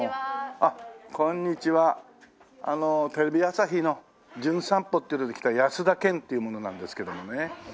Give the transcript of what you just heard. あのテレビ朝日の『じゅん散歩』っていうので来た安田顕っていう者なんですけどもね。